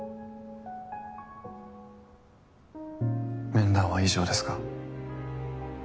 面談は以上ですか？